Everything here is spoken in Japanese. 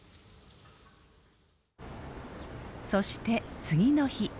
そして次の日。